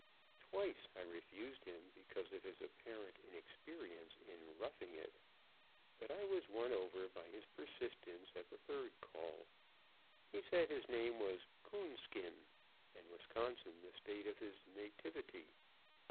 Twice I refused him because of his apparent inexperience in "roughing it," but I was won over by his persistence at the third call. He said his name was "Coonskin," and Wisconsin the State of his nativity.